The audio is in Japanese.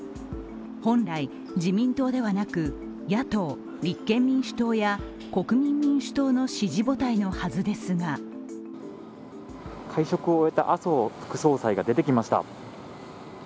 本来、自民党ではなく野党・立憲民主党や国民民主党の支持母体のはずですが会食を終えた麻生副総裁が出てきました。